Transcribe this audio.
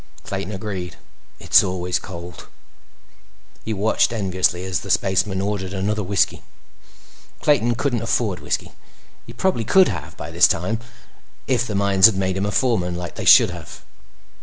Clayton agreed. "It's always cold." He watched enviously as the spaceman ordered another whiskey. Clayton couldn't afford whiskey. He probably could have by this time, if the mines had made him a foreman, like they should have.